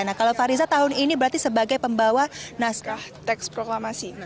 nah kalau fariza tahun ini berarti sebagai pembawa naskah teks proklamasi